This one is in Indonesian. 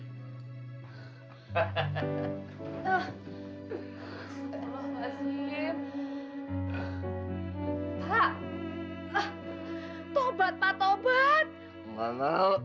ya allah pak